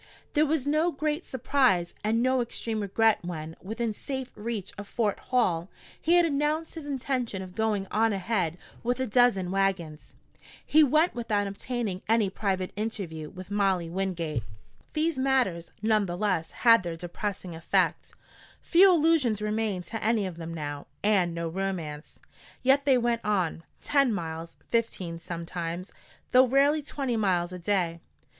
There was no great surprise and no extreme regret when, within safe reach of Fort Hall, he had announced his intention of going on ahead with a dozen wagons. He went without obtaining any private interview with Molly Wingate. [Illustration: A Paramount Picture. The Covered Wagon. CAMPED FOR THE NIGHT ALONG THE OLD TRAIL.] These matters none the less had their depressing effect. Few illusions remained to any of them now, and no romance. Yet they went on ten miles, fifteen sometimes, though rarely twenty miles a day.